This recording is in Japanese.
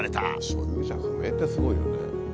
所有者不明ってすごいよね。